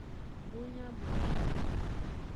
Búnyá ɓɔɔ́,